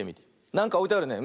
なんかおいてあるね。